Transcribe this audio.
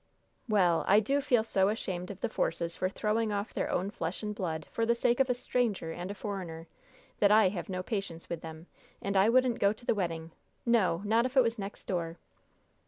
"Well, I do feel so ashamed of the Forces for throwing off their own flesh and blood for the sake of a stranger and a foreigner, that I have no patience with them; and I wouldn't go to the wedding, no, not if it was next door!"